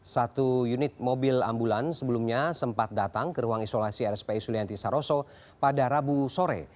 satu unit mobil ambulans sebelumnya sempat datang ke ruang isolasi rspi sulianti saroso pada rabu sore